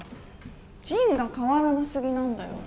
仁が変わらな過ぎなんだよ。